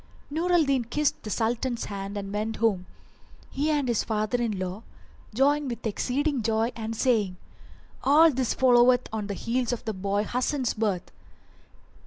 Nur al Din kissed the Sultan's hand and went home, he and his father in law, joying with exceeding joy and saying, "All this followeth on the heels of the boy Hasan's birth!"